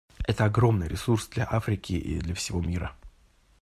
Это огромный ресурс для Африки и для всего мира.